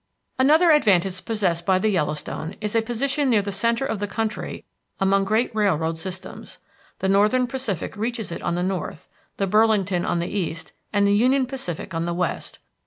Another advantage possessed by the Yellowstone is a position near the centre of the country among great railroad systems. The Northern Pacific reaches it on the north, the Burlington on the east, and the Union Pacific on the west.